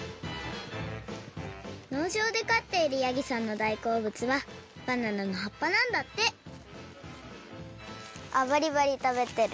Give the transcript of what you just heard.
のうじょうでかっているヤギさんのだいこうぶつはバナナのはっぱなんだってバリバリたべてる。